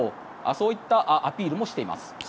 そういったアピールもしています。